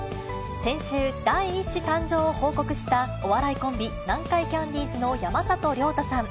先週、第１子誕生を報告した、お笑いコンビ、南海キャンディーズの山里亮太さん。